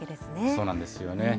そうなんですよね。